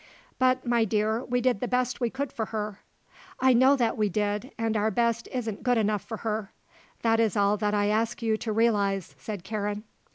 "But, my dear, we did the best we could for her." "I know that we did; and our best isn't good enough for her. That is all that I ask you to realise," said Karen.